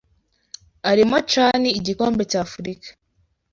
arimo CHANI Igikombe cya Afurika